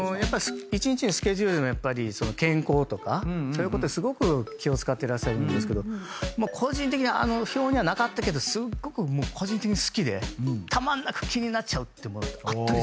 一日のスケジュールでもやっぱり健康とかそういうことすごく気を使ってらっしゃるんですけど表にはなかったけどすごく個人的に好きでたまんなく気になっちゃうものあったりするんですか？